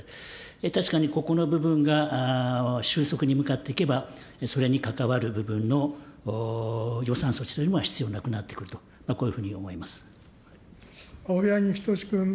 確かにここの部分が収束に向かっていけば、それに関わる部分の予算措置というものが必要なくなってくると、青柳仁士君。